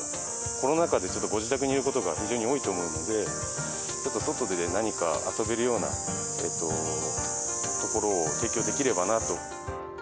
コロナ禍でちょっとご自宅にいることが非常に多いと思うので、外で何か遊べるような所を提供できればなと。